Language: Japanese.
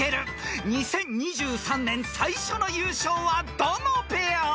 ［２０２３年最初の優勝はどのペア？］